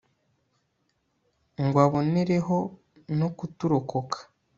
ngw'abonereho n'ukuturokora